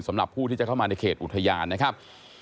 สำหรับผู้ที่จะเข้ามาในเขตอุทยานนะครับ